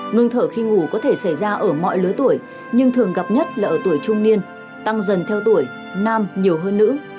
ngừng thở khi ngủ có thể xảy ra ở mọi lứa tuổi nhưng thường gặp nhất là ở tuổi trung niên tăng dần theo tuổi nam nhiều hơn nữ